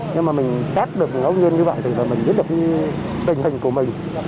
nhưng mà mình test được lâu nhiên như vậy thì mình biết được tình hình của mình